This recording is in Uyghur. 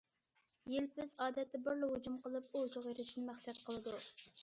يىلپىز ئادەتتە بىرلا ھۇجۇم قىلىپ ئولجىغا ئېرىشىشنى مەقسەت قىلىدۇ.